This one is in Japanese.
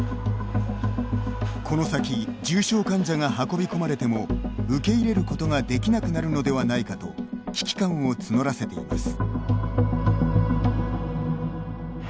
この先重症患者が運び込まれても受け入れることができなくなるのではないかと危機感を募らせています。